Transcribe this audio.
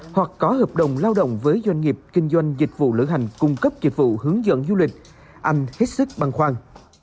hoặc có hợp đồng lao động với doanh nghiệp kinh doanh dịch vụ lữ hành cung cấp dịch vụ hướng dẫn du lịch anh hết sức băng khoăn